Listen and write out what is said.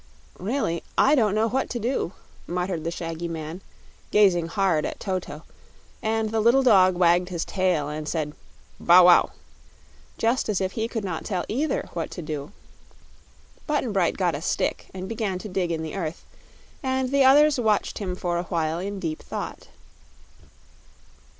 "Really, I don't know what to do," muttered the shaggy man, gazing hard at Toto; and the little dog wagged his tail and said "Bow wow!" just as if he could not tell, either, what to do. Button Bright got a stick and began to dig in the earth, and the others watched him for a while in deep thought.